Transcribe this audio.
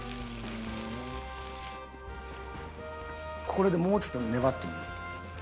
これでもうちょっと粘ってみる。